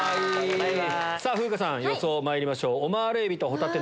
さぁ風花さん予想まいりましょう。